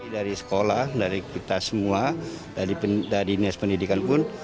dari sekolah dari kita semua dari dinas pendidikan pun